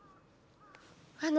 あの。